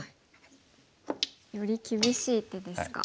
より厳しい手ですか。